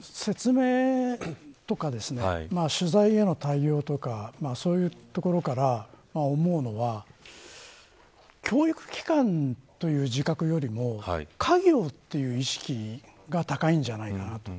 説明とか、取材への対応とかそういうところから思うのは教育機関という自覚よりも家業という意識が高いんじゃないのかなと。